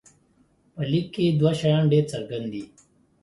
په لیک کې دوه شیان ډېر څرګند دي.